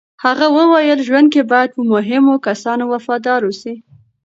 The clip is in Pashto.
هغې وویل، ژوند کې باید په مهمو کسانو وفادار اوسې.